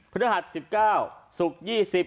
พฤษภาษณ์๑๙ศุกร์๒๐